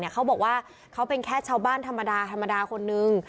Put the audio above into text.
เขาบอกว่าเขาเป็นแค่ชาวบ้านธรรมดาธรรมดาคนนึง